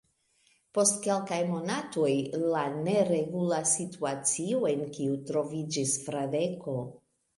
Post kelkaj monatoj, la neregula situacio, en kiu troviĝis Fradeko.